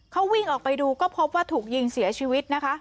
เขาวิ่งออกไปดูก็พบว่าถูกยิงเสียชีวิตนะคะ